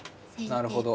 なるほど。